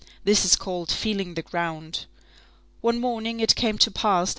This is called "feeling the ground." One morning it came to pass that M.